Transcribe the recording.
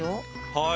はい。